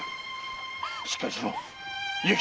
しっかりしろ勇吉！